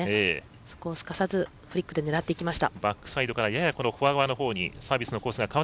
そこをすかさずフリックで狙っていきました。